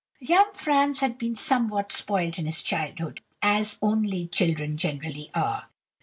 "Young Franz had been somewhat spoilt in his childhood, as only children generally are.